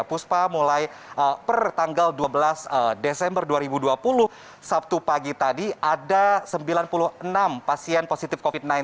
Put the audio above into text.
puspa mulai per tanggal dua belas desember dua ribu dua puluh sabtu pagi tadi ada sembilan puluh enam pasien positif covid sembilan belas